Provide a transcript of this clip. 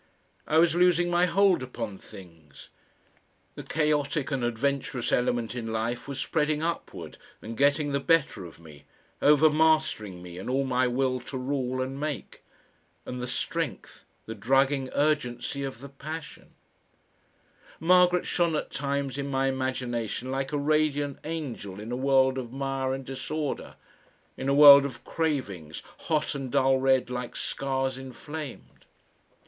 I was losing my hold upon things; the chaotic and adventurous element in life was spreading upward and getting the better of me, over mastering me and all my will to rule and make.... And the strength, the drugging urgency of the passion! Margaret shone at times in my imagination like a radiant angel in a world of mire and disorder, in a world of cravings, hot and dull red like scars inflamed....